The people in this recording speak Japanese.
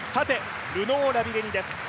ルノー・ラビレニです。